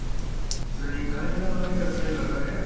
それに金蔵の在りかさえ分かりゃあ。